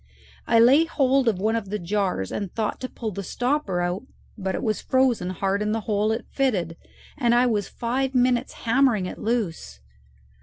I laid hold of one of the jars, and thought to pull the stopper out, but it was frozen hard in the hole it fitted, and I was five minutes hammering it loose.